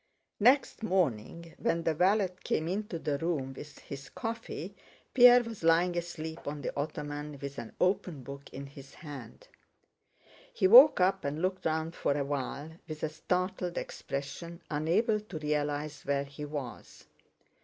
Next morning when the valet came into the room with his coffee, Pierre was lying asleep on the ottoman with an open book in his hand. He woke up and looked round for a while with a startled expression, unable to realize where he was.